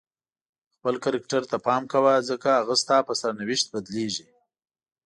خپل کرکټر ته پام کوه ځکه هغه ستا په سرنوشت بدلیږي.